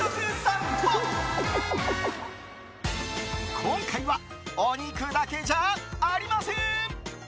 今回はお肉だけじゃありません。